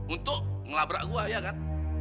untuk ngelabrak gua ya kan